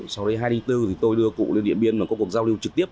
sau đây hai nghìn bốn thì tôi đưa cụ lên điện biên và có cuộc giao lưu trực tiếp